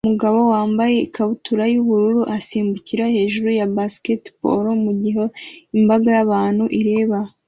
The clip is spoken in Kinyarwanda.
Umugabo wambaye ikabutura yubururu asimbukira hejuru ya basketball mugihe imbaga y'abantu ireba